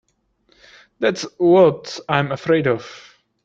That's what I'm afraid of.